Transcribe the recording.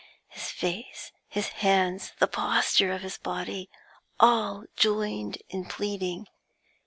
His face, his hands, the posture of his body, all joined in pleading.